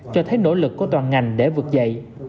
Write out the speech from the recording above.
cho thấy nỗ lực của toàn ngành để vực dậy